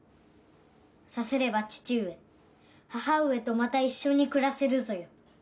さすれば父上母上とまた一緒に暮らせるぞよ。